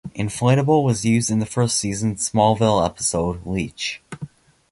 "Inflatable" was used in the first season "Smallville" episode "Leech".